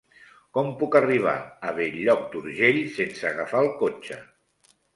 Com puc arribar a Bell-lloc d'Urgell sense agafar el cotxe?